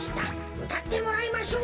うたってもらいましょう。